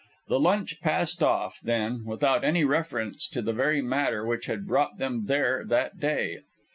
The lunch passed off, then, without any reference to the very matter which had brought them there that day.